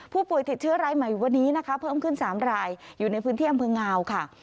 ผู้ป่วยติดเชื้อรายใหม่วันนี้นะคะเพิ่มขึ้น๓รายอยู่ในพื้นที่อำเภองาวค่ะ